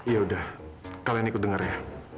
yaudah kalian ikut dengar ya